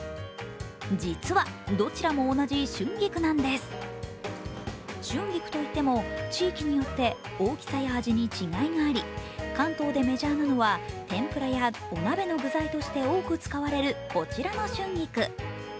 実は、どちらも同じ春菊なんです春菊といっても地域によって大きさや味に違いがあり関東でメジャーなのは天ぷらやお鍋の具材として多く使われる、こちらの春菊。